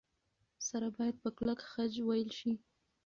سره باید په کلک خج وېل شي.